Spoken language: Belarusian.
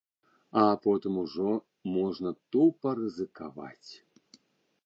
А потым ужо можна тупа рызыкаваць.